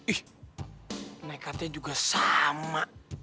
ih nekatnya juga sama